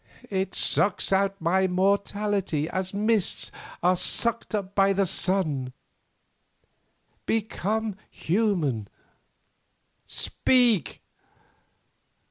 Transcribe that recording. It sucks out my mortality as mists are sucked up by the sun. Become human. Speak.